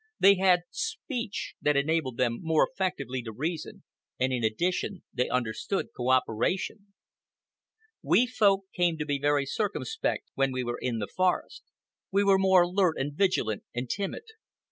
They had speech that enabled them more effectively to reason, and in addition they understood cooperation. We Folk came to be very circumspect when we were in the forest. We were more alert and vigilant and timid.